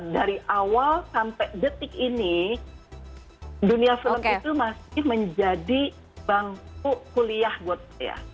dari awal sampai detik ini dunia film itu masih menjadi bangku kuliah buat saya